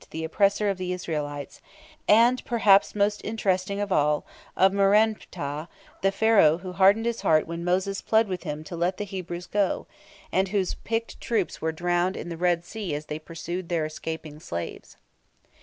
the oppressor of the Israelites; and, perhaps most interesting of all, of Merenptah, the Pharaoh who hardened his heart when Moses pled with him to let the Hebrews go, and whose picked troops were drowned in the Red Sea as they pursued their escaping slaves.